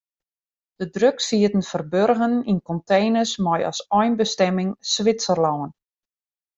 De drugs sieten ferburgen yn konteners mei as einbestimming Switserlân.